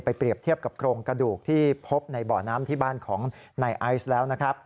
เปรียบเทียบกับโครงกระดูกที่พบในเบาะน้ำที่บ้านของนายไอซ์แล้วนะครับ